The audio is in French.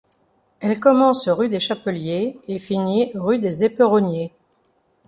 Elle commence rue des Chapeliers et finit rue des Éperonniers.